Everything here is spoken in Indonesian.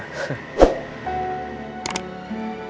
aku mau pergi